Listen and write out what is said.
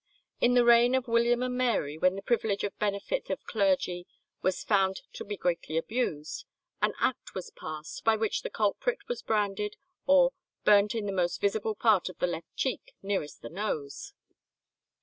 In the reign of William and Mary, when the privilege of benefit of clergy was found to be greatly abused, an act was passed, by which the culprit was branded or "burnt in the most visible part of the left cheek nearest the nose."